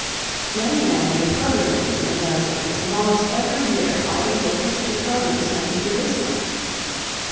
Many men made pilgrimages in those days, and almost every year parties of Christian pilgrims went to Jerusalem.